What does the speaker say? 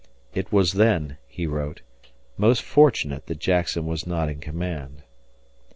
"It was then," he wrote, "most fortunate that Jackson was not in command."